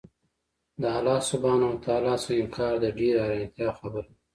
له الله سبحانه وتعالی څخه انكار د ډېري حيرانتيا خبره ده